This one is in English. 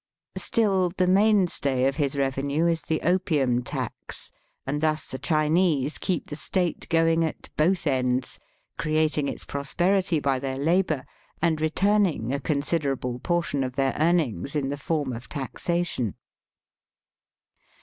Still the mainstay of his revenue is the opium tax, and thus the Chinese Digitized by VjOOQIC m THE TROPICS. 129 keep the State going at both ends, creating its prosperity by their labour, and returning a considerable portion of their earnings in the form of taxation.